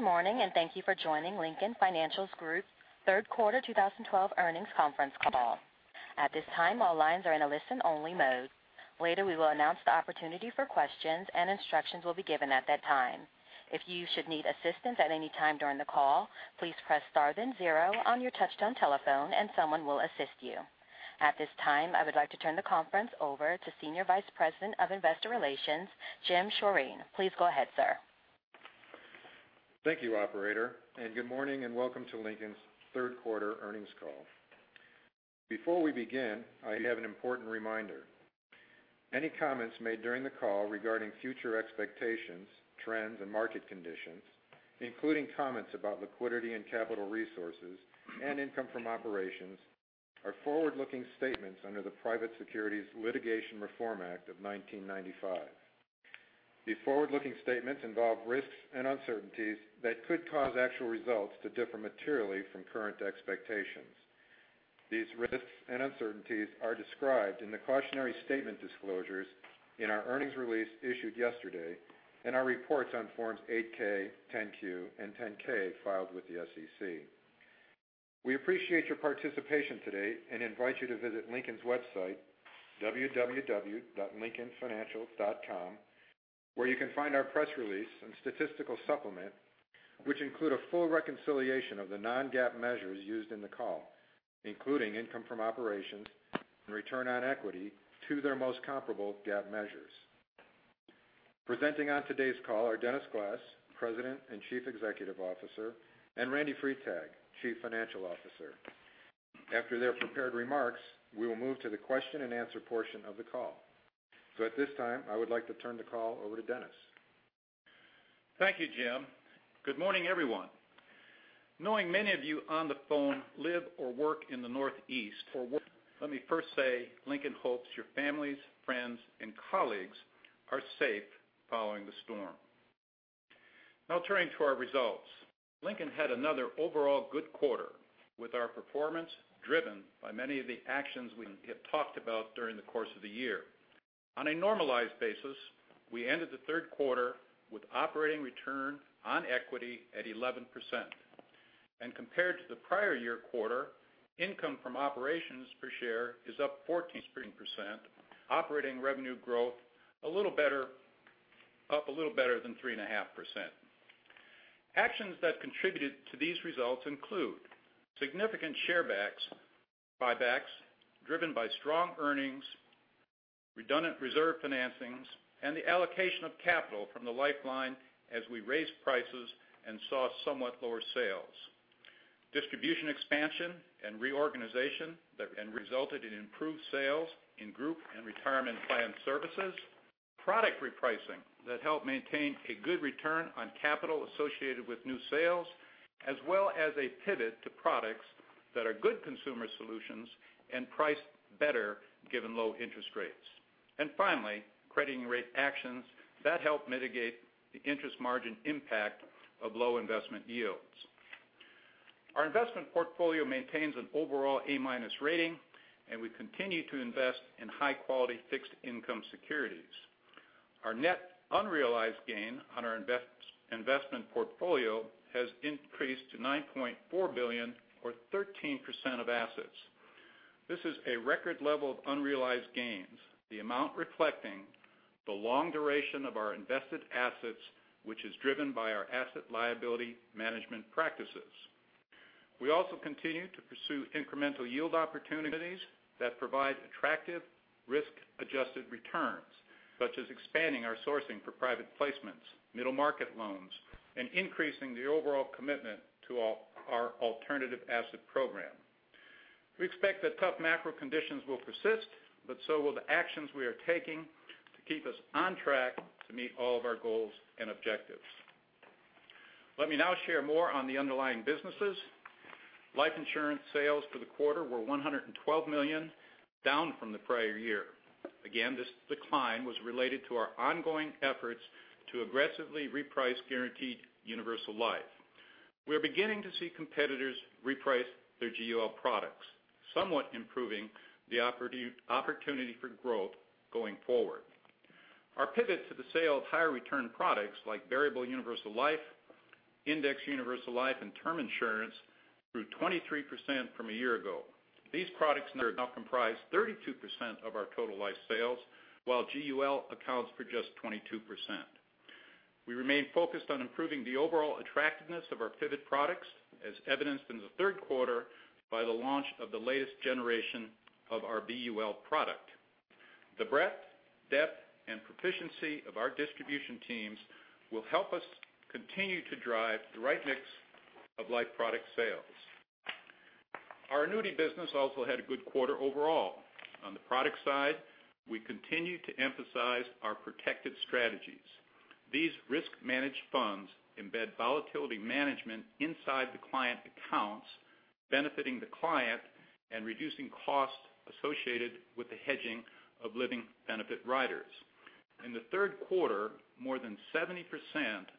Good morning, and thank you for joining Lincoln Financial Group Third Quarter 2012 Earnings Conference Call. At this time, all lines are in a listen-only mode. Later, we will announce the opportunity for questions, and instructions will be given at that time. If you should need assistance at any time during the call, please press star then 0 on your touchtone telephone, and someone will assist you. At this time, I would like to turn the conference over to Senior Vice President of Investor Relations, Jim Schorren. Please go ahead, sir. Thank you, operator. Good morning, and welcome to Lincoln's third quarter earnings call. Before we begin, I have an important reminder. Any comments made during the call regarding future expectations, trends, and market conditions, including comments about liquidity and capital resources and income from operations, are forward-looking statements under the Private Securities Litigation Reform Act of 1995. These forward-looking statements involve risks and uncertainties that could cause actual results to differ materially from current expectations. These risks and uncertainties are described in the cautionary statement disclosures in our earnings release issued yesterday, and our reports on Forms 8-K, 10-Q, and 10-K filed with the SEC. We appreciate your participation today and invite you to visit Lincoln's website, www.lincolnfinancial.com, where you can find our press release and statistical supplement, which include a full reconciliation of the non-GAAP measures used in the call, including income from operations and return on equity to their most comparable GAAP measures. Presenting on today's call are Dennis Glass, President and Chief Executive Officer, and Randy Freitag, Chief Financial Officer. After their prepared remarks, we will move to the question and answer portion of the call. At this time, I would like to turn the call over to Dennis. Thank you, Jim. Good morning, everyone. Knowing many of you on the phone live or work in the Northeast, let me first say Lincoln hopes your families, friends, and colleagues are safe following the storm. Now turning to our results. Lincoln had another overall good quarter, with our performance driven by many of the actions we have talked about during the course of the year. On a normalized basis, we ended the third quarter with operating return on equity at 11%. Compared to the prior year quarter, income from operations per share is up 14%, operating revenue growth up a little better than 3.5%. Actions that contributed to these results include significant share buybacks driven by strong earnings, redundant reserve financings, and the allocation of capital from the life line as we raised prices and saw somewhat lower sales. Distribution expansion and reorganization that resulted in improved sales in group and retirement plan services. Product repricing that helped maintain a good return on capital associated with new sales, as well as a pivot to products that are good consumer solutions and priced better given low interest rates. Finally, crediting rate actions that help mitigate the interest margin impact of low investment yields. Our investment portfolio maintains an overall A-minus rating, and we continue to invest in high-quality fixed income securities. Our net unrealized gain on our investment portfolio has increased to $9.4 billion or 13% of assets. This is a record level of unrealized gains, the amount reflecting the long duration of our invested assets, which is driven by our asset liability management practices. We also continue to pursue incremental yield opportunities that provide attractive risk-adjusted returns, such as expanding our sourcing for private placements, middle market loans, and increasing the overall commitment to our alternative asset program. We expect that tough macro conditions will persist, but so will the actions we are taking to keep us on track to meet all of our goals and objectives. Let me now share more on the underlying businesses. Life insurance sales for the quarter were $112 million, down from the prior year. Again, this decline was related to our ongoing efforts to aggressively reprice guaranteed universal life. We are beginning to see competitors reprice their GUL products, somewhat improving the opportunity for growth going forward. Our pivot to the sale of higher return products like variable universal life, index universal life, and term insurance grew 23% from a year ago. These products now comprise 32% of our total life sales, while GUL accounts for just 22%. We remain focused on improving the overall attractiveness of our pivot products, as evidenced in the third quarter by the launch of the latest generation of our VUL product. The breadth, depth, and proficiency of our distribution teams will help us continue to drive the right mix of life product sales. Our annuity business also had a good quarter overall. On the product side, we continue to emphasize our Protected Strategies. These risk-managed funds embed volatility management inside the client accounts, benefiting the client and reducing costs associated with the hedging of living benefit riders. In the third quarter, more than 70%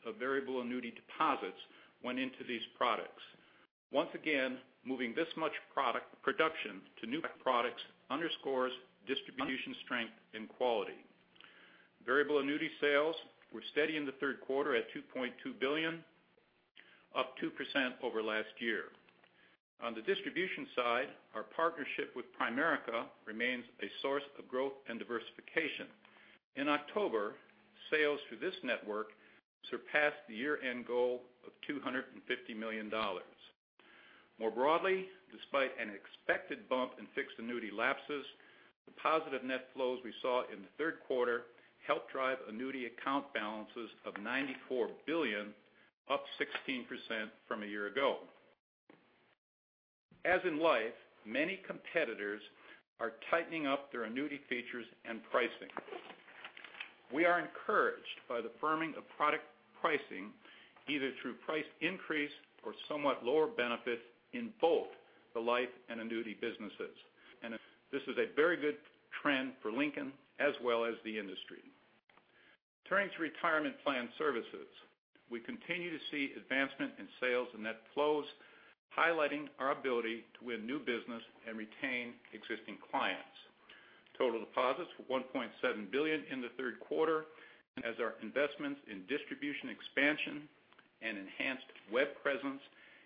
of variable annuity deposits went into these products. Once again, moving this much production to new products underscores distribution strength and quality. Variable annuity sales were steady in the third quarter at $2.2 billion, up 2% over last year. On the distribution side, our partnership with Primerica remains a source of growth and diversification. In October, sales through this network surpassed the year-end goal of $250 million. More broadly, despite an expected bump in fixed annuity lapses, the positive net flows we saw in the third quarter helped drive annuity account balances of $94 billion, up 16% from a year ago. As in life, many competitors are tightening up their annuity features and pricing. We are encouraged by the firming of product pricing, either through price increase or somewhat lower benefit in both the life and annuity businesses. This is a very good trend for Lincoln as well as the industry. Turning to retirement plan services. We continue to see advancement in sales and net flows, highlighting our ability to win new business and retain existing clients. Total deposits were $1.7 billion in the third quarter as our investments in distribution expansion and enhanced web presence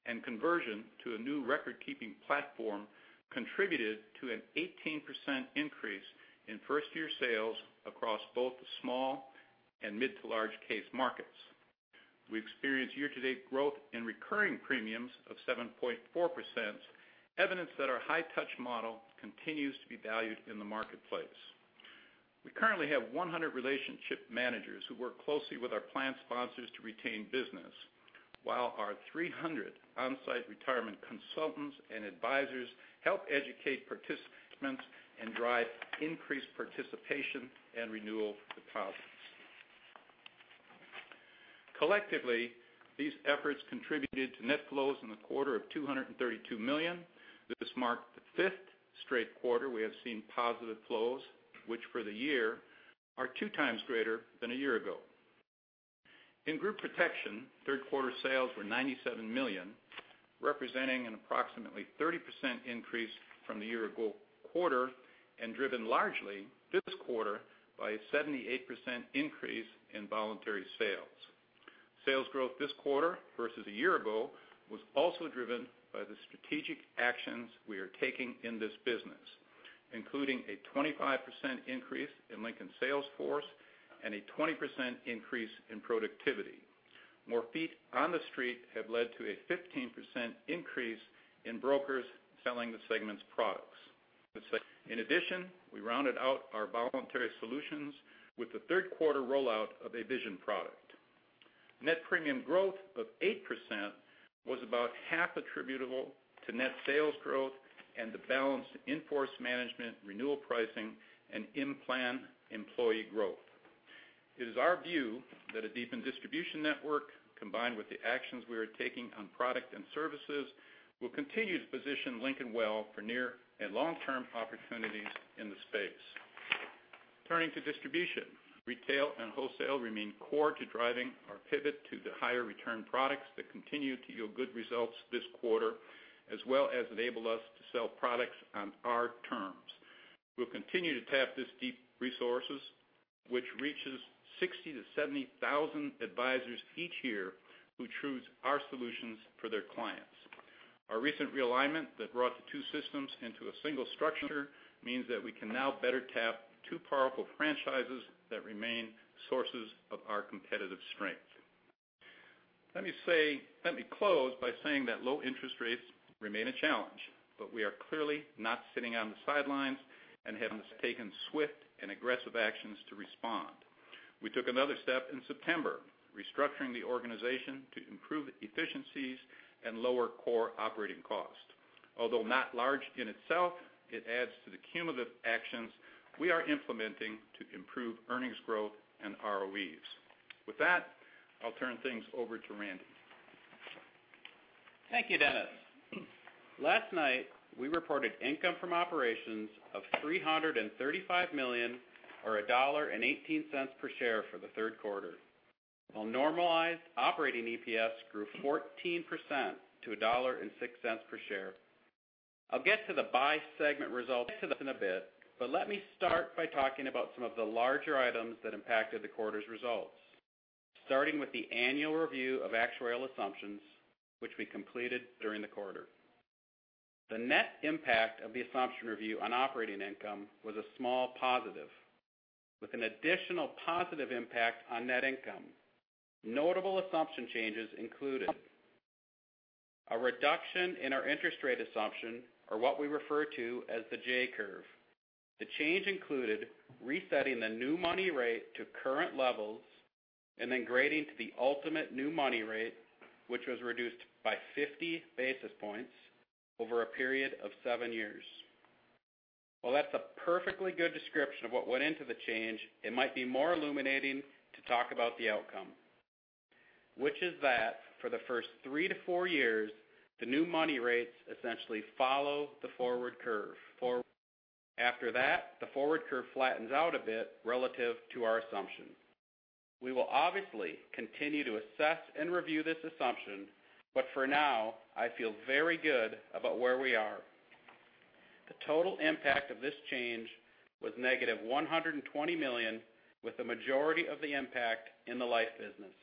and conversion to a new record-keeping platform contributed to an 18% increase in first-year sales across both the small and mid to large case markets. We experienced year-to-date growth in recurring premiums of 7.4%, evidence that our high-touch model continues to be valued in the marketplace. We currently have 100 relationship managers who work closely with our plan sponsors to retain business, while our 300 on-site retirement consultants and advisors help educate participants and drive increased participation and renewal deposits. Collectively, these efforts contributed to net flows in the quarter of $232 million. This marked the fifth straight quarter we have seen positive flows, which for the year are two times greater than a year ago. In group protection, third quarter sales were $97 million, representing an approximately 30% increase from the year-ago quarter, and driven largely this quarter by a 78% increase in voluntary sales. Sales growth this quarter versus a year ago was also driven by the strategic actions we are taking in this business, including a 25% increase in Lincoln sales force and a 20% increase in productivity. More feet on the street have led to a 15% increase in brokers selling the segment's products. In addition, we rounded out our voluntary solutions with the third quarter rollout of a vision product. Net premium growth of 8% was about half attributable to net sales growth and the balance to in-force management, renewal pricing, and in-plan employee growth. It is our view that a deepened distribution network, combined with the actions we are taking on product and services, will continue to position Lincoln well for near and long-term opportunities in the space. Turning to distribution. Retail and wholesale remain core to driving our pivot to the higher return products that continue to yield good results this quarter, as well as enable us to sell products on our terms. We'll continue to tap these deep resources, which reaches 60,000-70,000 advisors each year who choose our solutions for their clients. Our recent realignment that brought the two systems into a single structure means that we can now better tap two powerful franchises that remain sources of our competitive strength. Let me close by saying that low interest rates remain a challenge, but we are clearly not sitting on the sidelines and have taken swift and aggressive actions to respond. We took another step in September, restructuring the organization to improve efficiencies and lower core operating costs. Although not large in itself, it adds to the cumulative actions we are implementing to improve earnings growth and ROEs. With that, I'll turn things over to Randy. Thank you, Dennis. Last night, we reported income from operations of $335 million or $1.18 per share for the third quarter, while normalized operating EPS grew 14% to $1.06 per share. I'll get to the by-segment results in a bit, let me start by talking about some of the larger items that impacted the quarter's results, starting with the annual review of actuarial assumptions, which we completed during the quarter. The net impact of the assumption review on operating income was a small positive, with an additional positive impact on net income. Notable assumption changes included a reduction in our interest rate assumption, or what we refer to as the J-curve. The change included resetting the new money rate to current levels and then grading to the ultimate new money rate, which was reduced by 50 basis points over a period of seven years. While that's a perfectly good description of what went into the change, it might be more illuminating to talk about the outcome. Which is that for the first three to four years, the new money rates essentially follow the forward curve. After that, the forward curve flattens out a bit relative to our assumptions. We will obviously continue to assess and review this assumption, for now, I feel very good about where we are. The total impact of this change was negative $120 million, with the majority of the impact in the life business.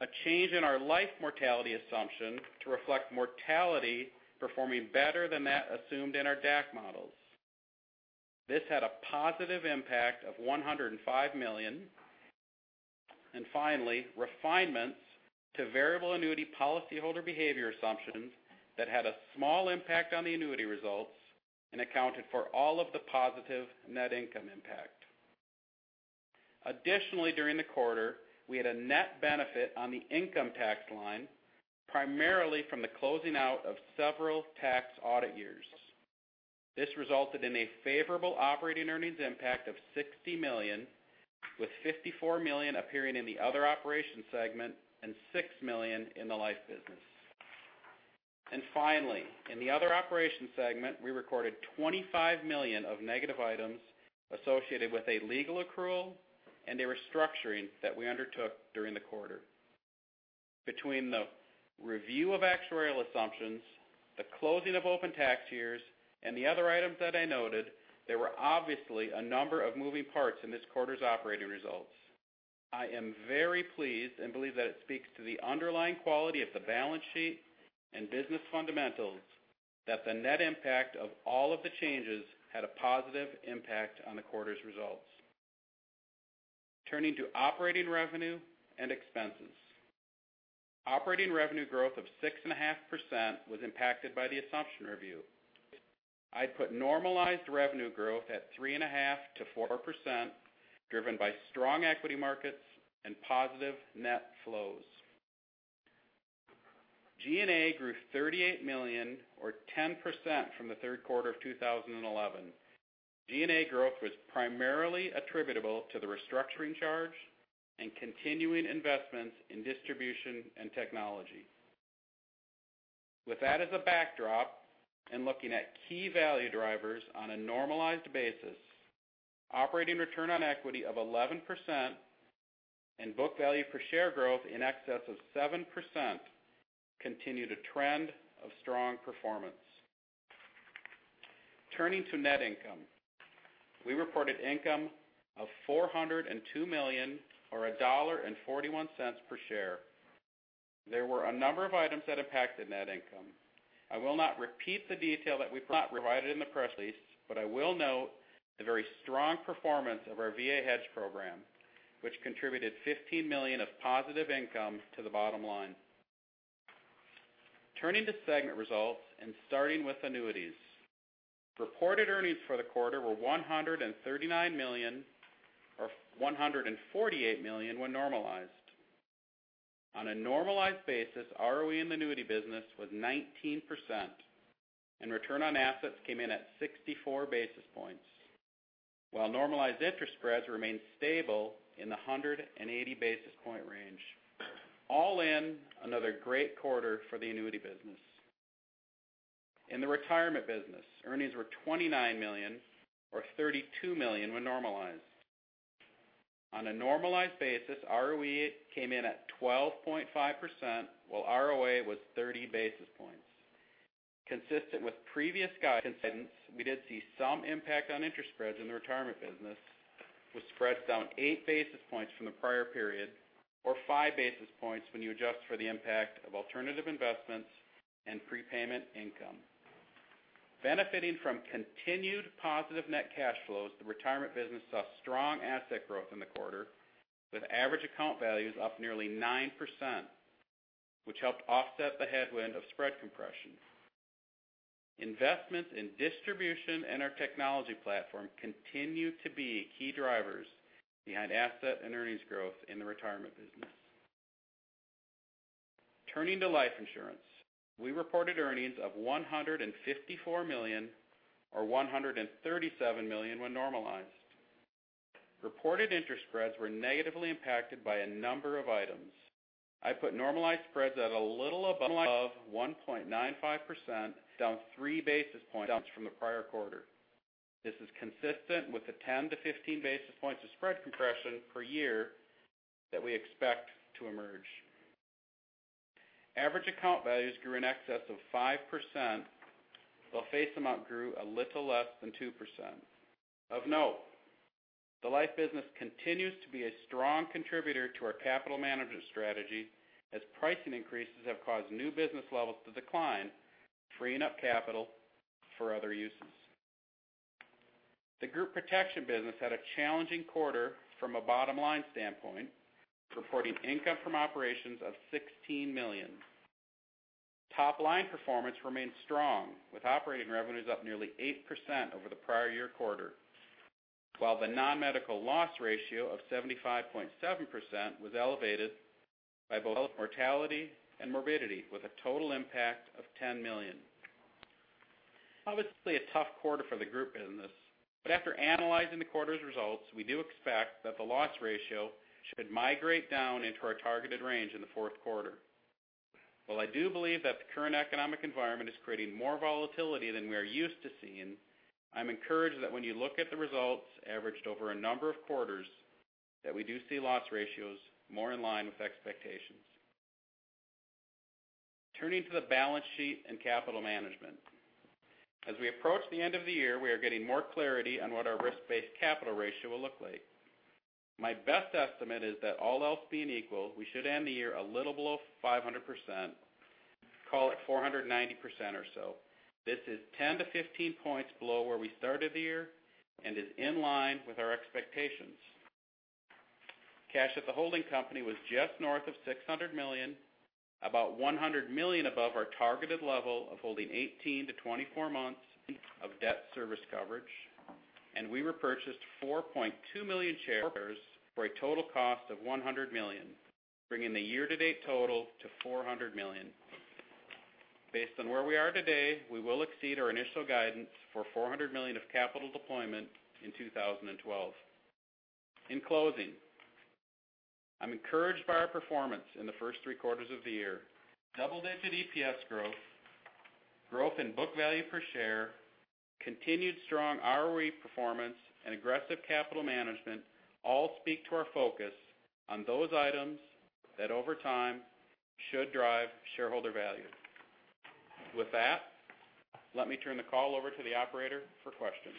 A change in our life mortality assumption to reflect mortality performing better than that assumed in our DAC models. This had a positive impact of $105 million. Finally, refinements to variable annuity policyholder behavior assumptions that had a small impact on the annuity results and accounted for all of the positive net income impact. Additionally, during the quarter, we had a net benefit on the income tax line, primarily from the closing out of several tax audit years. This resulted in a favorable operating earnings impact of $60 million, with $54 million appearing in the other operations segment and $6 million in the life business. Finally, in the other operations segment, we recorded $25 million of negative items associated with a legal accrual and a restructuring that we undertook during the quarter. Between the review of actuarial assumptions, the closing of open tax years, and the other items that I noted, there were obviously a number of moving parts in this quarter's operating results. I am very pleased and believe that it speaks to the underlying quality of the balance sheet and business fundamentals, that the net impact of all of the changes had a positive impact on the quarter's results. Turning to operating revenue and expenses. Operating revenue growth of 6.5% was impacted by the assumption review. I'd put normalized revenue growth at 3.5%-4%, driven by strong equity markets and positive net flows. G&A grew $38 million or 10% from the third quarter of 2011. G&A growth was primarily attributable to the restructuring charge and continuing investments in distribution and technology. With that as a backdrop and looking at key value drivers on a normalized basis, operating return on equity of 11% and book value per share growth in excess of 7% continue the trend of strong performance. Turning to net income. We reported income of $402 million or $1.41 per share. There were a number of items that impacted net income. I will not repeat the detail that we provided in the press release, but I will note the very strong performance of our VA hedge program, which contributed $15 million of positive income to the bottom line. Turning to segment results and starting with annuities. Reported earnings for the quarter were $139 million or $148 million when normalized. On a normalized basis, ROE in the annuity business was 19%, and return on assets came in at 64 basis points, while normalized interest spreads remained stable in the 180 basis point range. All in, another great quarter for the annuity business. In the retirement business, earnings were $29 million or $32 million when normalized. On a normalized basis, ROE came in at 12.5%, while ROA was 30 basis points. Consistent with previous guidance, we did see some impact on interest spreads in the retirement business, with spreads down 8 basis points from the prior period or 5 basis points when you adjust for the impact of alternative investments and prepayment income. Benefiting from continued positive net cash flows, the retirement business saw strong asset growth in the quarter, with average account values up nearly 9%, which helped offset the headwind of spread compression. Investments in distribution and our technology platform continue to be key drivers behind asset and earnings growth in the retirement business. Turning to life insurance. We reported earnings of $154 million or $137 million when normalized. Reported interest spreads were negatively impacted by a number of items. I put normalized spreads at a little above 1.95%, down 3 basis points from the prior quarter. This is consistent with the 10 to 15 basis points of spread compression per year that we expect to emerge. Average account values grew in excess of 5%, while face amount grew a little less than 2%. Of note, the life business continues to be a strong contributor to our capital management strategy as pricing increases have caused new business levels to decline, freeing up capital for other uses. The group protection business had a challenging quarter from a bottom-line standpoint, reporting income from operations of $16 million. Top-line performance remained strong, with operating revenues up nearly 8% over the prior year quarter. While the non-medical loss ratio of 75.7% was elevated by both mortality and morbidity, with a total impact of $10 million. Obviously a tough quarter for the group business. After analyzing the quarter's results, we do expect that the loss ratio should migrate down into our targeted range in the fourth quarter. While I do believe that the current economic environment is creating more volatility than we are used to seeing, I'm encouraged that when you look at the results averaged over a number of quarters That we do see loss ratios more in line with expectations. Turning to the balance sheet and capital management. As we approach the end of the year, we are getting more clarity on what our risk-based capital ratio will look like. My best estimate is that all else being equal, we should end the year a little below 500%, call it 490% or so. This is 10 to 15 points below where we started the year and is in line with our expectations. Cash at the holding company was just north of $600 million, about $100 million above our targeted level of holding 18 to 24 months of debt service coverage. We repurchased 4.2 million shares for a total cost of $100 million, bringing the year-to-date total to $400 million. Based on where we are today, we will exceed our initial guidance for $400 million of capital deployment in 2012. In closing, I'm encouraged by our performance in the first three quarters of the year. Double-digit EPS growth in book value per share, continued strong ROE performance, and aggressive capital management all speak to our focus on those items that, over time, should drive shareholder value. With that, let me turn the call over to the operator for questions.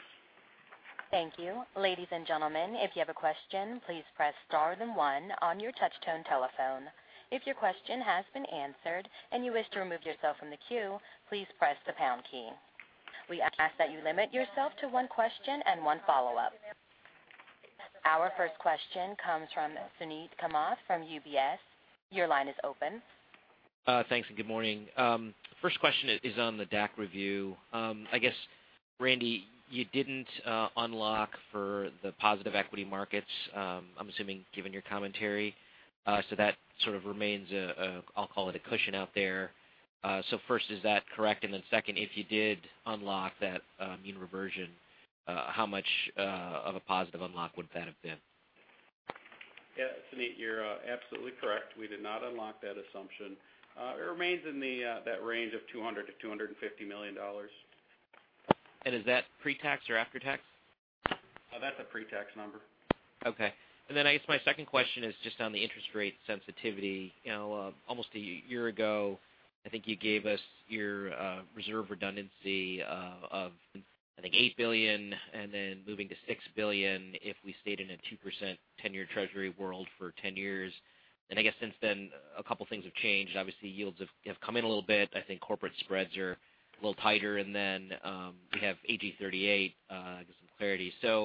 Thank you. Ladies and gentlemen, if you have a question, please press star then one on your touch-tone telephone. If your question has been answered and you wish to remove yourself from the queue, please press the pound key. We ask that you limit yourself to one question and one follow-up. Our first question comes from Suneet Kamath from UBS. Your line is open. Thanks, good morning. First question is on the DAC review. I guess, Randy, you didn't unlock for the positive equity markets, I'm assuming, given your commentary. That sort of remains a, I'll call it, a cushion out there. First, is that correct? Second, if you did unlock that mean reversion, how much of a positive unlock would that have been? Yeah, Suneet, you're absolutely correct. We did not unlock that assumption. It remains in that range of $200 million-$250 million. Is that pre-tax or after-tax? That's a pre-tax number. Okay. Then I guess my second question is just on the interest rate sensitivity. Almost a year ago, I think you gave us your reserve redundancy of, I think, $8 billion, then moving to $6 billion if we stayed in a 2% 10-year Treasury world for 10 years. I guess since then, a couple things have changed. Obviously, yields have come in a little bit. I think corporate spreads are a little tighter, then we have AG 38, get some clarity. Sort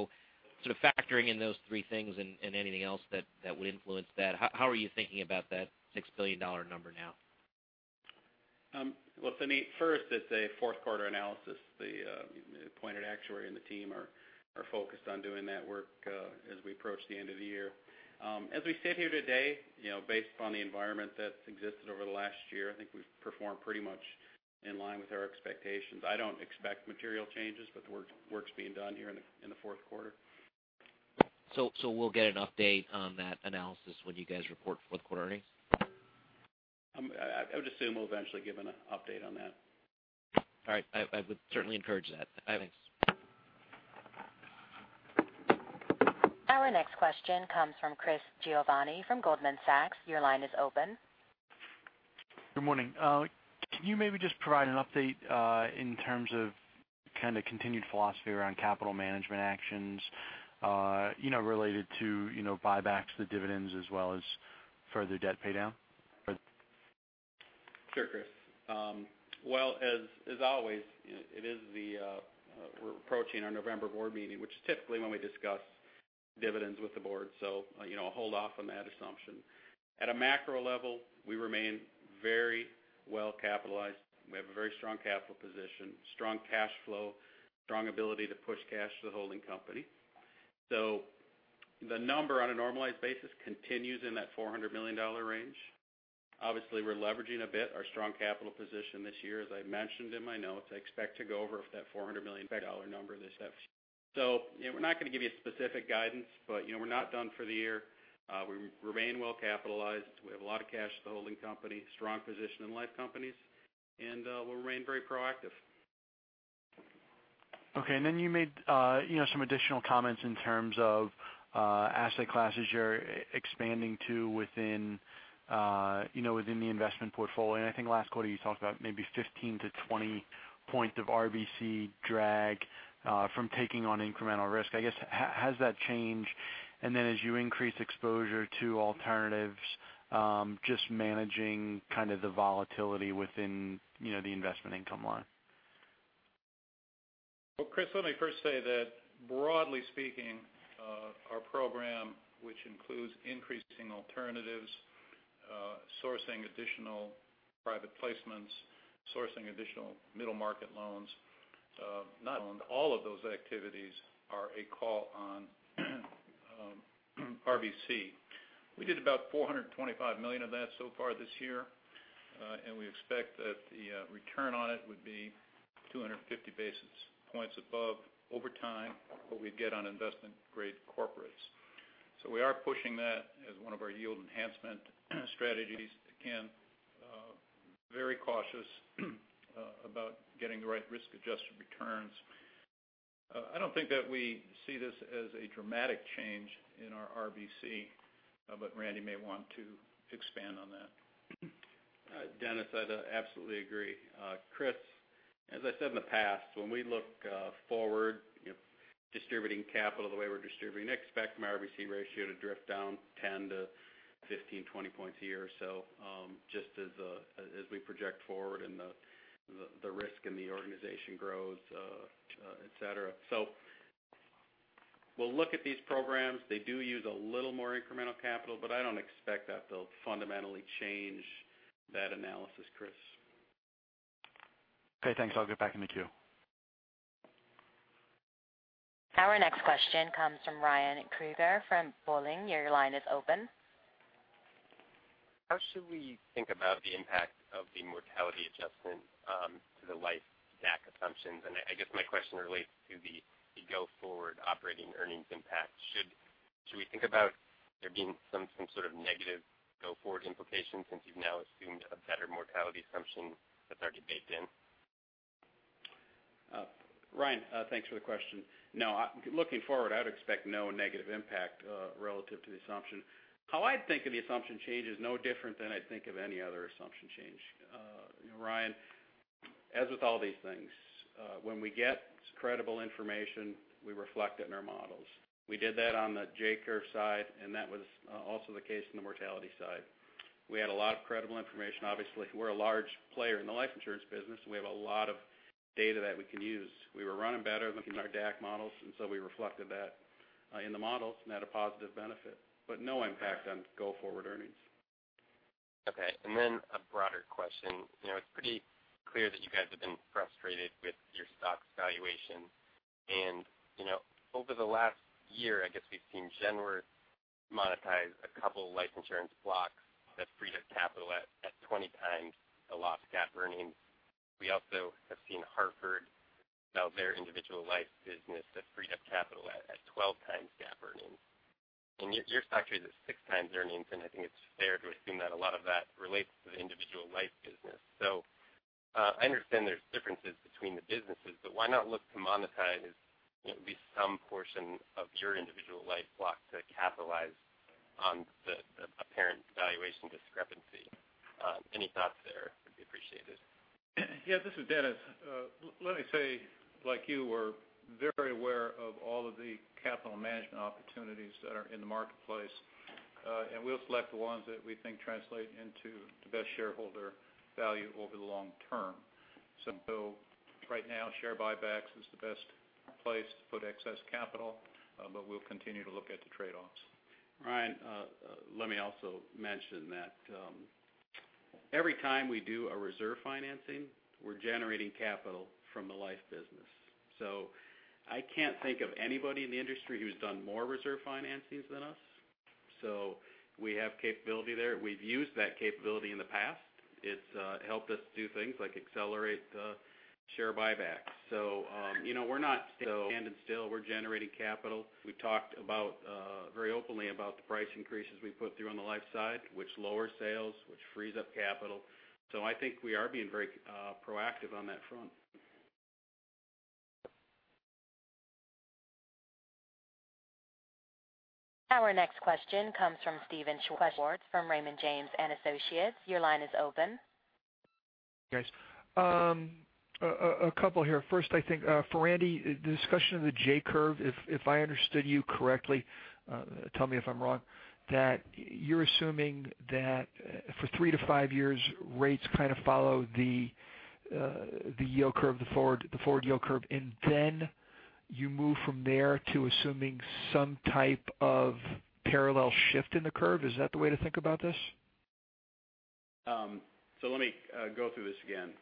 of factoring in those three things and anything else that would influence that, how are you thinking about that $6 billion number now? Well, Suneet, first, it's a fourth quarter analysis. The appointed actuary and the team are focused on doing that work as we approach the end of the year. We sit here today, based upon the environment that's existed over the last year, I think we've performed pretty much in line with our expectations. I don't expect material changes, the work's being done here in the fourth quarter. We'll get an update on that analysis when you guys report fourth quarter earnings? I would assume we'll eventually give an update on that. All right. I would certainly encourage that. Thanks. Our next question comes from Chris Giovanni from Goldman Sachs. Your line is open. Good morning. Can you maybe just provide an update in terms of kind of continued philosophy around capital management actions related to buybacks, the dividends, as well as further debt paydown? Sure, Chris. Well, as always, we're approaching our November board meeting, which is typically when we discuss dividends with the board. I'll hold off on that assumption. At a macro level, we remain very well capitalized. We have a very strong capital position, strong cash flow, strong ability to push cash to the holding company. The number on a normalized basis continues in that $400 million range. Obviously, we're leveraging a bit our strong capital position this year. As I mentioned in my notes, I expect to go over that $400 million number this year. We're not going to give you specific guidance, we're not done for the year. We remain well capitalized. We have a lot of cash at the holding company, strong position in life companies, we'll remain very proactive. Okay, you made some additional comments in terms of asset classes you're expanding to within the investment portfolio. I think last quarter you talked about maybe 15-20 points of RBC drag from taking on incremental risk. I guess, has that changed? As you increase exposure to alternatives, just managing kind of the volatility within the investment income line. Well, Chris, let me first say that broadly speaking our program, which includes increasing alternatives, sourcing additional private placements, sourcing additional middle market loans, not all of those activities are a call on RBC. We did about $425 million of that so far this year. We expect that the return on it would be 250 basis points above over time what we'd get on investment-grade corporates. We are pushing that as one of our yield enhancement strategies. Very cautious about getting the right risk-adjusted returns. I don't think that we see this as a dramatic change in our RBC, Randy may want to expand on that. Dennis, I'd absolutely agree. Chris, as I said in the past, when we look forward, distributing capital the way we're distributing it, expect my RBC ratio to drift down 10 to 15, 20 points a year or so, just as we project forward and the risk in the organization grows, et cetera. We'll look at these programs. They do use a little more incremental capital, I don't expect that they'll fundamentally change that analysis, Chris. Okay, thanks. I'll get back in the queue. Our next question comes from Ryan Krueger from Dowling. Your line is open. How should we think about the impact of the mortality adjustment to the life DAC assumptions? I guess my question relates to the go-forward operating earnings impact. Should we think about there being some sort of negative go-forward implications since you've now assumed a better mortality assumption that's already baked in? Ryan, thanks for the question. No. Looking forward, I'd expect no negative impact relative to the assumption. How I'd think of the assumption change is no different than I'd think of any other assumption change. Ryan, as with all these things, when we get credible information, we reflect it in our models. We did that on the J-curve side, that was also the case on the mortality side. We had a lot of credible information. Obviously, we're a large player in the life insurance business, so we have a lot of data that we can use. We were running better looking at our DAC models, we reflected that in the models and had a positive benefit, no impact on go-forward earnings. Okay. A broader question. It's pretty clear that you guys have been frustrated with your stock valuation. Over the last year, I guess we've seen Genworth monetize a couple life insurance blocks that freed up capital at 20 times the last GAAP earnings. We also have seen Hartford sell their individual life business that freed up capital at 12 times GAAP earnings. Your stock trades at six times earnings, I think it's fair to assume that a lot of that relates to the individual life business. I understand there's differences between the businesses, why not look to monetize at least some portion of your individual life block to capitalize on the apparent valuation discrepancy? Any thoughts there would be appreciated. Yeah, this is Dennis. Let me say, like you, we're very aware of all of the capital management opportunities that are in the marketplace. We'll select the ones that we think translate into the best shareholder value over the long term. Right now, share buybacks is the best place to put excess capital, we'll continue to look at the trade-offs. Ryan, let me also mention that every time we do a reserve financing, we're generating capital from the life business. I can't think of anybody in the industry who's done more reserve financings than us. We have capability there. We've used that capability in the past. It's helped us do things like accelerate the share buyback. We're not standing still. We're generating capital. We talked very openly about the price increases we put through on the life side, which lower sales, which frees up capital. I think we are being very proactive on that front. Our next question comes from Steven Schwartz from Raymond James & Associates. Your line is open. Thanks. A couple here. First, I think for Randy, the discussion of the J-curve, if I understood you correctly, tell me if I'm wrong, that you're assuming that for three to five years, rates kind of follow the forward yield curve, then you move from there to assuming some type of parallel shift in the curve. Is that the way to think about this? Let me go through this again.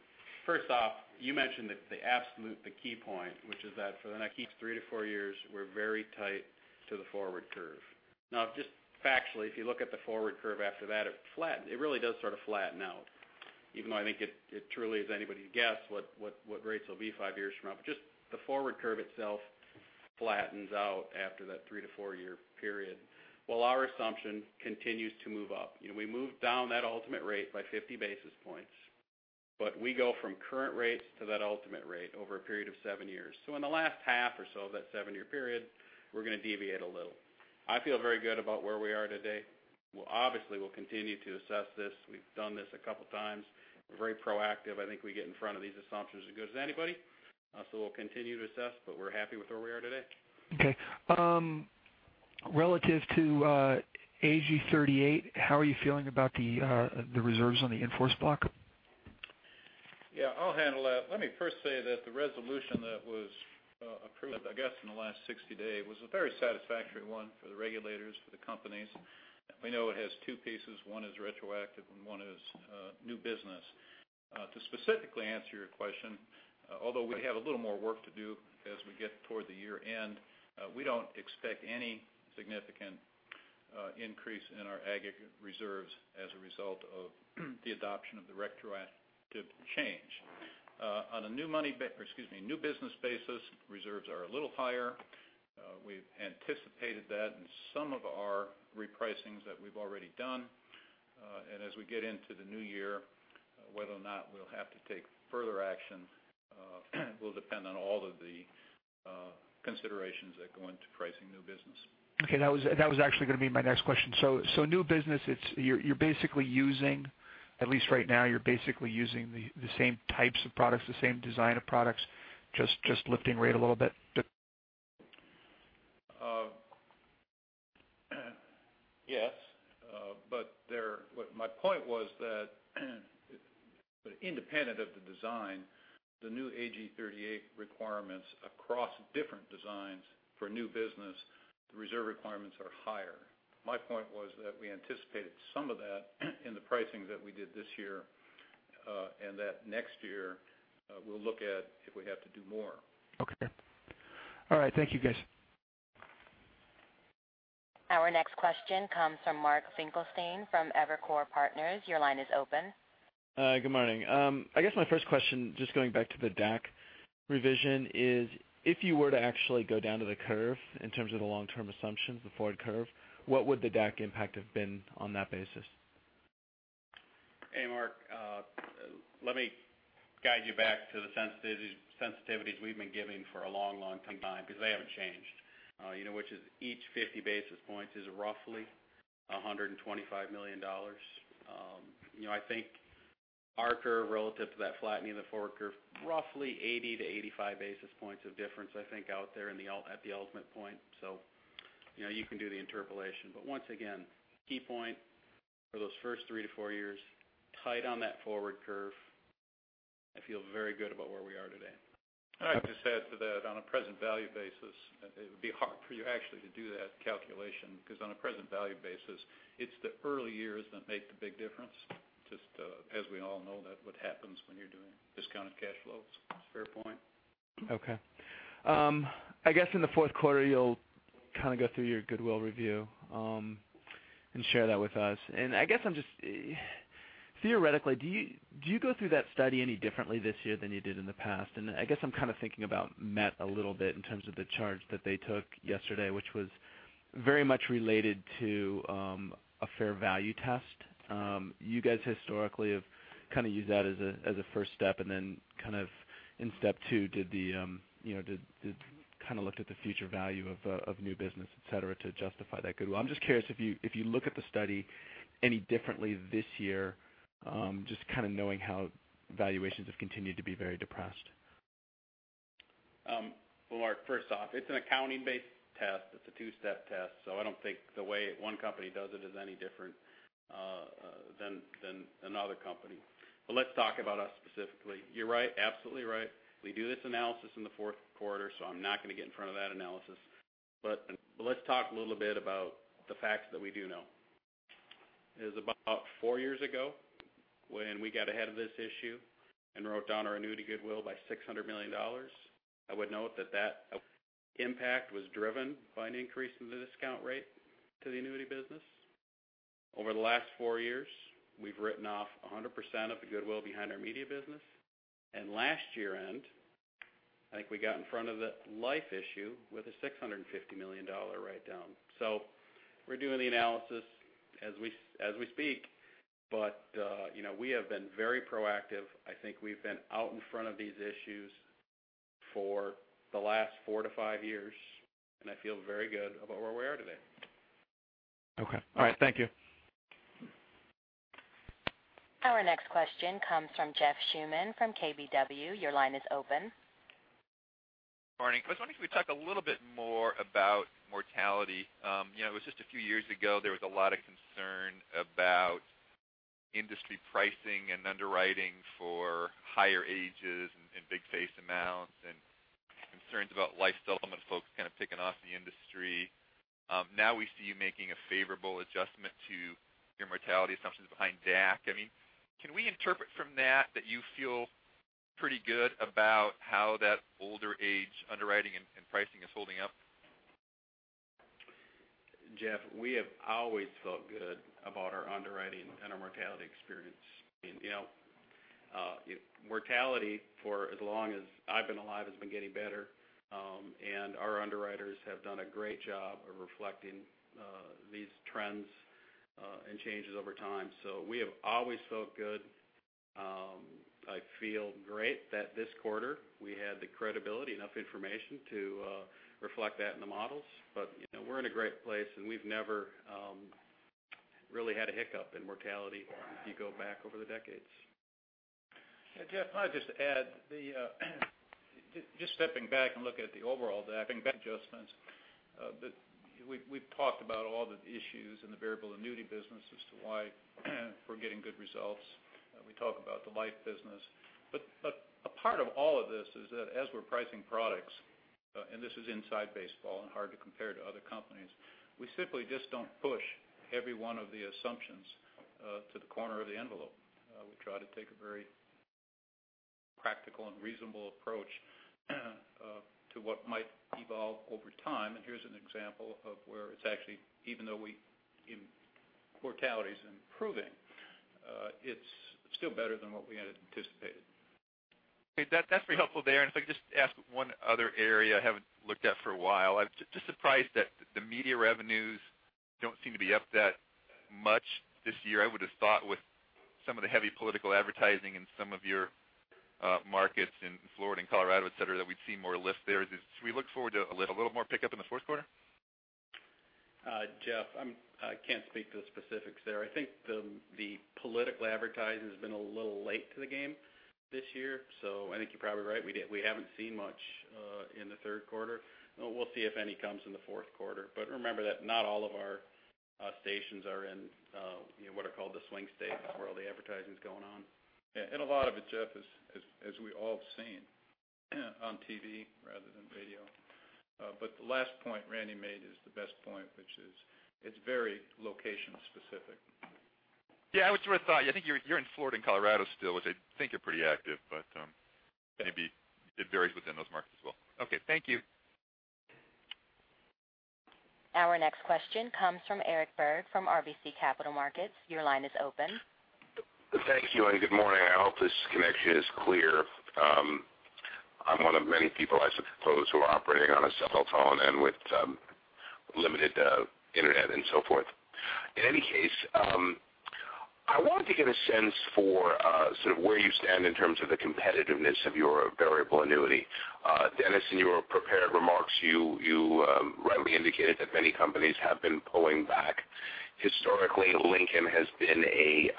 First off, you mentioned the absolute, the key point, which is that for the next three to four years, we're very tight to the forward curve. Now, just factually, if you look at the forward curve after that, it really does sort of flatten out, even though I think it truly is anybody's guess what rates will be five years from now. Just the forward curve itself flattens out after that three-to-four-year period, while our assumption continues to move up. We moved down that ultimate rate by 50 basis points, but we go from current rates to that ultimate rate over a period of seven years. In the last half or so of that seven-year period, we're going to deviate a little. I feel very good about where we are today. Obviously, we'll continue to assess this. We've done this a couple times. We're very proactive. I think we get in front of these assumptions as good as anybody. We'll continue to assess, but we're happy with where we are today. Okay. Relative to AG 38, how are you feeling about the reserves on the in-force block? Yeah, I'll handle that. Let me first say that the resolution that was approved, I guess, in the last 60 day was a very satisfactory one for the regulators, for the companies. We know it has two pieces. One is retroactive, and one is new business. To specifically answer your question, although we have a little more work to do as we get toward the year-end, we don't expect any significant increase in our aggregate reserves as a result of the adoption of the retroactive change. On a new business basis, reserves are a little higher. We've anticipated that in some of our repricings that we've already done. As we get into the new year, whether or not we'll have to take further action will depend on all of the considerations that go into pricing new business. Okay, that was actually going to be my next question. New business, you're basically using, at least right now, the same types of products, the same design of products, just lifting rate a little bit? Yes. My point was that independent of the design, the new AG 38 requirements across different designs for new business, the reserve requirements are higher. My point was that we anticipated some of that in the pricing that we did this year, and that next year we'll look at if we have to do more. Okay. All right. Thank you, guys. Our next question comes from Mark Finkelstein from Evercore Partners. Your line is open. Good morning. I guess my first question, just going back to the DAC revision is, if you were to actually go down to the curve in terms of the long-term assumptions, the forward curve, what would the DAC impact have been on that basis? Hey, Mark. Let me guide you back to the sensitivities we've been giving for a long time, because they haven't changed. Which is each 50 basis points is roughly $125 million. I think our curve relative to that flattening of the forward curve, roughly 80 to 85 basis points of difference, I think out there at the ultimate point. You can do the interpolation. Once again, key point for those first three to four years, tight on that forward curve. I feel very good about where we are today. I'd just add to that on a present value basis, it would be hard for you actually to do that calculation because on a present value basis it's the early years that make the big difference, just as we all know that what happens when you're doing discounted cash flows. Fair point. I guess in the fourth quarter you'll go through your goodwill review and share that with us. I guess I'm just theoretically, do you go through that study any differently this year than you did in the past? I guess I'm kind of thinking about MetLife a little bit in terms of the charge that they took yesterday, which was very much related to a fair value test. You guys historically have kind of used that as a first step and then in step two kind of looked at the future value of new business, et cetera, to justify that goodwill. I'm just curious if you look at the study any differently this year, just kind of knowing how valuations have continued to be very depressed. Well Mark, first off, it's an accounting-based test. It's a two-step test, so I don't think the way one company does it is any different than another company. Let's talk about us specifically. You're right, absolutely right. We do this analysis in the fourth quarter, so I'm not going to get in front of that analysis. Let's talk a little bit about the facts that we do know. It was about four years ago when we got ahead of this issue and wrote down our annuity goodwill by $600 million. I would note that impact was driven by an increase in the discount rate to the annuity business. Over the last four years, we've written off 100% of the goodwill behind our media business. Last year-end, I think we got in front of the life issue with a $650 million write-down. We're doing the analysis as we speak. We have been very proactive. I think we've been out in front of these issues for the last four to five years, and I feel very good about where we are today. Okay. All right. Thank you. Our next question comes from Jeff Schuman from KBW. Your line is open. Morning. I was wondering if you could talk a little bit more about mortality. It was just a few years ago, there was a lot of concern about industry pricing and underwriting for higher ages and big face amounts and concerns about life settlement folks kind of picking off the industry. Now we see you making a favorable adjustment to your mortality assumptions behind DAC. Can we interpret from that you feel pretty good about how that older age underwriting and pricing is holding up? Jeff, we have always felt good about our underwriting and our mortality experience. Mortality for as long as I've been alive has been getting better, and our underwriters have done a great job of reflecting these trends and changes over time. We have always felt good. I feel great that this quarter we had the credibility, enough information to reflect that in the models. We're in a great place and we've never really had a hiccup in mortality if you go back over the decades. Jeff, might I just add, just stepping back and looking at the overall adjustments, we've talked about all the issues in the variable annuity business as to why we're getting good results. We talk about the life business. A part of all of this is that as we're pricing products, and this is inside baseball and hard to compare to other companies, we simply just don't push every one of the assumptions to the corner of the envelope. We try to take a very practical and reasonable approach to what might evolve over time, and here's an example of where it's actually, even though mortality is improving, it's still better than what we had anticipated. Okay. That's very helpful there. If I could just ask one other area I haven't looked at for a while. I'm just surprised that the media revenues don't seem to be up that much this year. I would have thought with some of the heavy political advertising in some of your markets in Florida and Colorado, et cetera, that we'd see more lift there. Should we look forward to a little more pickup in the fourth quarter? Jeff, I can't speak to the specifics there. I think the political advertising's been a little late to the game this year. I think you're probably right. We haven't seen much in the third quarter. We'll see if any comes in the fourth quarter. Remember that not all of our stations are in what are called the swing states, where all the advertising's going on. Yeah. A lot of it, Jeff, is as we all have seen on TV rather than radio. The last point Randy made is the best point, which is it's very location specific. Yeah, which is what I thought. I think you're in Florida and Colorado still, which I think are pretty active, but maybe it varies within those markets as well. Okay. Thank you. Our next question comes from Eric Berg from RBC Capital Markets. Your line is open. Thank you. Good morning. I hope this connection is clear. I'm one of many people, I suppose, who are operating on a cell phone and with limited internet and so forth. In any case, I wanted to get a sense for sort of where you stand in terms of the competitiveness of your variable annuity. Dennis, in your prepared remarks, you rightly indicated that many companies have been pulling back. Historically, Lincoln has been a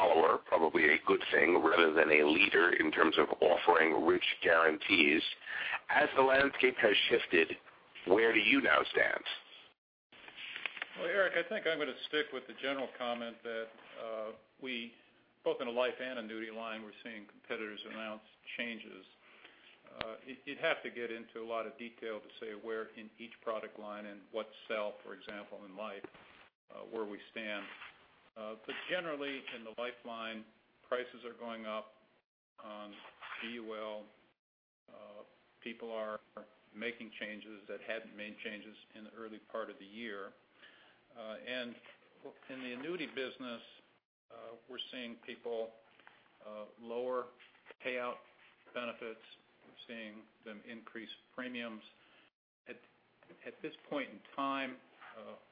follower, probably a good thing, rather than a leader in terms of offering rich guarantees. As the landscape has shifted, where do you now stand? Well, Eric, I think I'm going to stick with the general comment that we, both in a life and annuity line, we're seeing competitors announce changes. You'd have to get into a lot of detail to say where in each product line and what cell, for example, in life, where we stand. Generally, in the life line, prices are going up on GUL. People are making changes that hadn't made changes in the early part of the year. In the annuity business, we're seeing people lower payout benefits. We're seeing them increase premiums. At this point in time,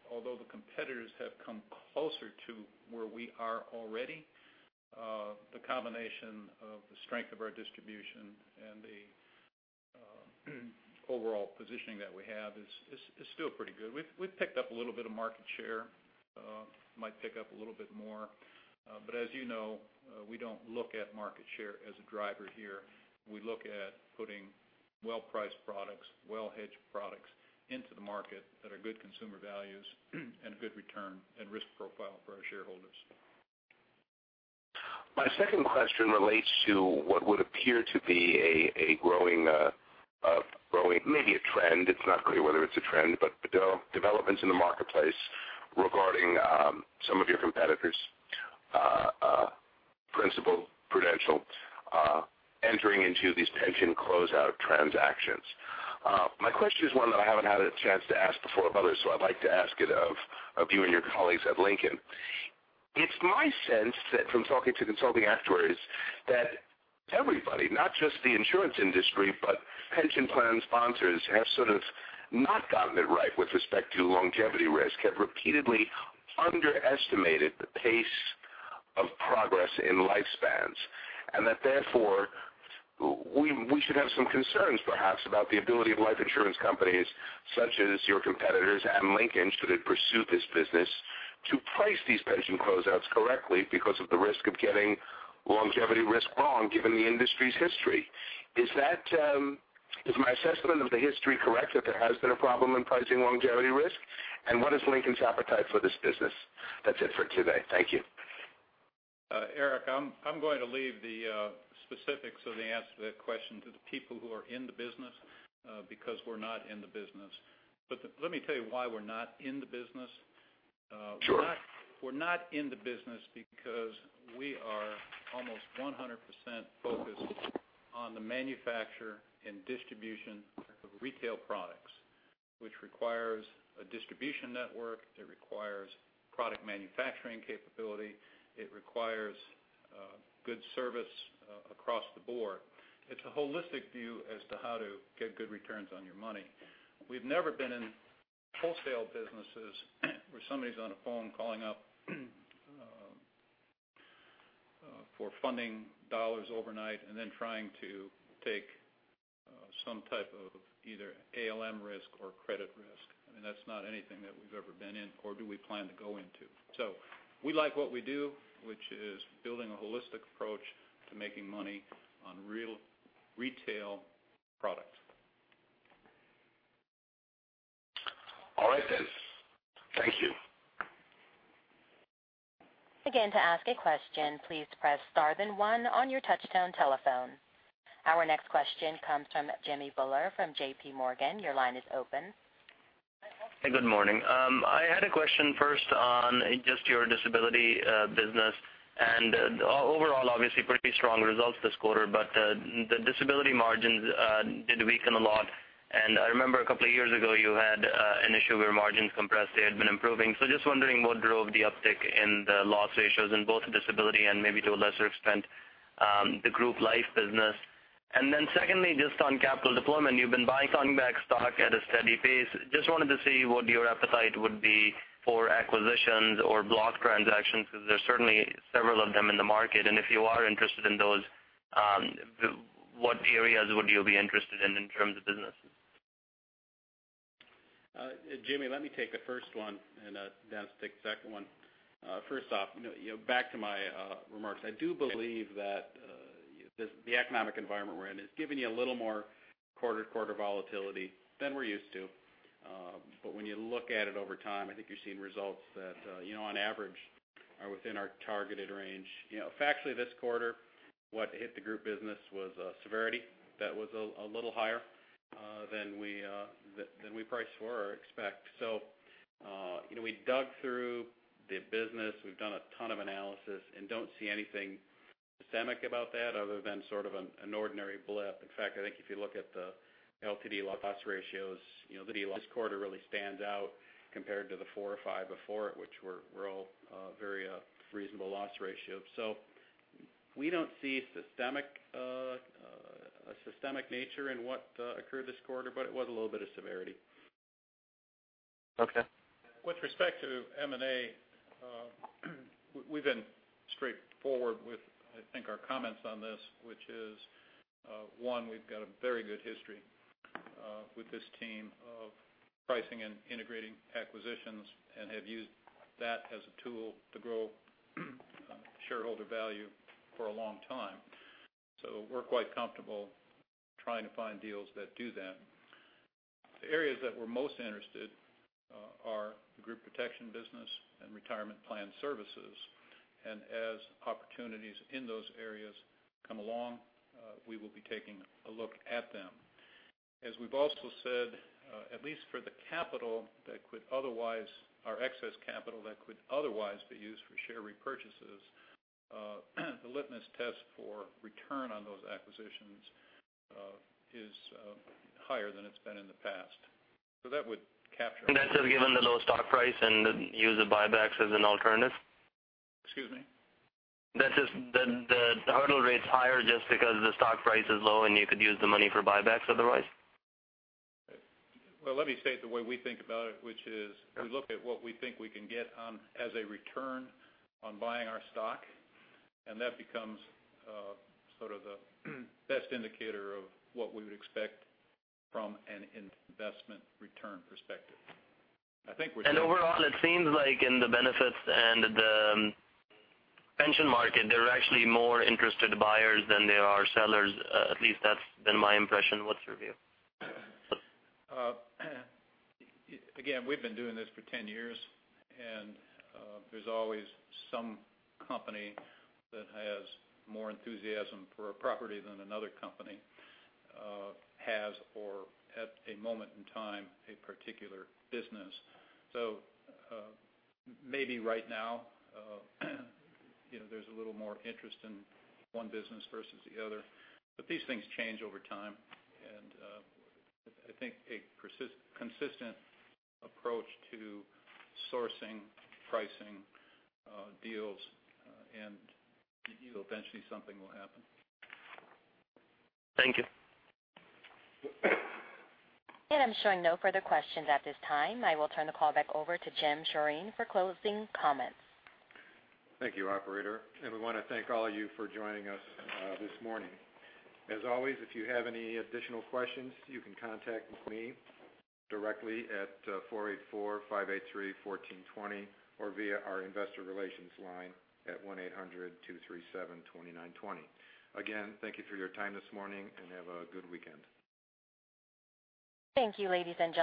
although the competitors have come closer to where we are already, the combination of the strength of our distribution and the overall positioning that we have is still pretty good. We've picked up a little bit of market share, might pick up a little bit more. As you know, we don't look at market share as a driver here. We look at putting well-priced products, well-hedged products into the market that are good consumer values and a good return and risk profile for our shareholders. My second question relates to what would appear to be a growing, maybe a trend. It's not clear whether it's a trend, but developments in the marketplace regarding some of your competitors, Principal, Prudential, entering into these pension closeout transactions. My question is one that I haven't had a chance to ask before of others, so I'd like to ask it of you and your colleagues at Lincoln. It's my sense that from talking to consulting actuaries that everybody, not just the insurance industry, but pension plan sponsors have sort of not gotten it right with respect to longevity risk, have repeatedly underestimated the pace of progress in lifespans, and that therefore, we should have some concerns perhaps about the ability of life insurance companies, such as your competitors and Lincoln, should it pursue this business to price these pension closeouts correctly because of the risk of getting longevity risk wrong given the industry's history. Is my assessment of the history correct, that there has been a problem in pricing longevity risk? What is Lincoln's appetite for this business? That's it for today. Thank you. Eric, I'm going to leave the specifics of the answer to that question to the people who are in the business, because we're not in the business. Let me tell you why we're not in the business. Sure. We're not in the business because we are almost 100% focused on the manufacture and distribution of retail products, which requires a distribution network. It requires product manufacturing capability. It requires good service across the board. It's a holistic view as to how to get good returns on your money. We've never been in wholesale businesses where somebody's on a phone calling up for funding dollars overnight and then trying to take some type of either ALM risk or credit risk. I mean, that's not anything that we've ever been in or do we plan to go into. We like what we do, which is building a holistic approach to making money on real retail product. All right, Dennis. Thank you. Again, to ask a question, please press star then one on your touch-tone telephone. Our next question comes from Jimmy Bhullar from JPMorgan. Your line is open. Hey, good morning. I had a question first on just your disability business and overall, obviously pretty strong results this quarter, but the disability margins did weaken a lot. I remember a couple of years ago you had an issue where margins compressed, they had been improving. Just wondering what drove the uptick in the loss ratios in both disability and maybe to a lesser extent, the group life business. Secondly, just on capital deployment, you've been buying back stock at a steady pace. Just wanted to see what your appetite would be for acquisitions or block transactions, because there's certainly several of them in the market. If you are interested in those, what areas would you be interested in terms of business? Jimmy, let me take the first one and Dennis take the second one. First off, back to my remarks. I do believe that the economic environment we're in is giving you a little more quarter-to-quarter volatility than we're used to. When you look at it over time, I think you're seeing results that on average are within our targeted range. Factually this quarter, what hit the group business was severity that was a little higher than we priced for or expect. We dug through the business, we've done a ton of analysis and don't see anything systemic about that other than sort of an ordinary blip. In fact, I think if you look at the LTD loss ratios, this quarter really stands out compared to the four or five before it, which were all very reasonable loss ratio. We don't see a systemic nature in what occurred this quarter, but it was a little bit of severity. Okay. With respect to M&A, we've been straightforward with, I think, our comments on this, which is, one, we've got a very good history with this team of pricing and integrating acquisitions and have used that as a tool to grow shareholder value for a long time. We're quite comfortable trying to find deals that do that. The areas that we're most interested are the group protection business and retirement plan services. As opportunities in those areas come along, we will be taking a look at them. As we've also said, at least for our excess capital that could otherwise be used for share repurchases, the litmus test for return on those acquisitions is higher than it's been in the past. That would capture- That's just given the low stock price and use of buybacks as an alternative? Excuse me? That's just the hurdle rate's higher just because the stock price is low and you could use the money for buybacks otherwise? Let me state the way we think about it, which is we look at what we think we can get as a return on buying our stock, and that becomes sort of the best indicator of what we would expect from an investment return perspective. Overall, it seems like in the benefits and the pension market, there are actually more interested buyers than there are sellers. At least that's been my impression. What's your view? Again, we've been doing this for 10 years, there's always some company that has more enthusiasm for a property than another company has or at a moment in time, a particular business. Maybe right now there's a little more interest in one business versus the other. These things change over time and I think a consistent approach to sourcing, pricing deals and eventually something will happen. Thank you. I'm showing no further questions at this time. I will turn the call back over to Jim Sjoreen for closing comments. Thank you, operator. We want to thank all of you for joining us this morning. As always, if you have any additional questions, you can contact me directly at 484-583-1420 or via our investor relations line at 1-800-237-2920. Again, thank you for your time this morning and have a good weekend. Thank you, ladies and gentlemen